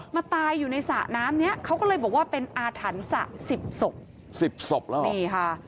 มาตายอยู่ในสระน้ำเนี้ยเขาก็เลยบอกว่าเป็นอาถรรพ์สระสิบศพสิบศพแล้วนี่ค่ะ